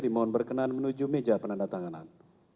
dimohon berkenan menuju meja penanda tanganan